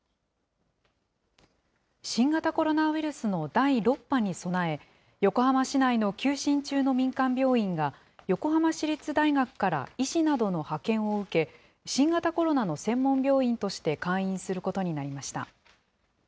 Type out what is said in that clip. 新型コロナウイルスの第６波に備え、横浜市内の休診中の民間病院が、横浜市立大学から医師などの派遣を受け、新型コロナの専門病院として開院することになりました。